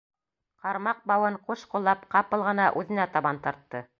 Ҡармаҡ бауын ҡуш ҡуллап ҡапыл ғына үҙенә табан тартты.